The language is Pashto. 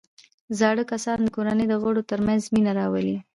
زاړه کسان د کورنۍ د غړو ترمنځ مینه راولي